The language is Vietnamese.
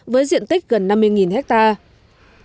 với diện tích gần năm mươi hectare